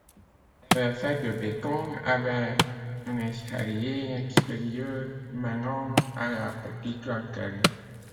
Elle est faite de béton, avec un escalier extérieur menant à la petite lanterne.